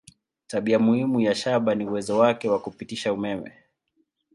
Tabia muhimu ya shaba ni uwezo wake wa kupitisha umeme.